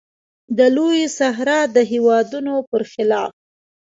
د لویې صحرا د هېوادونو پر خلاف.